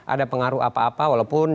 ada pengaruh apa apa walaupun